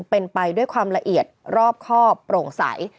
เป็นไปด้วยความละเอียดรอบข้อโปร่งใส